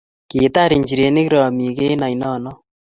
kitar nchirenik ramek eng' oine noe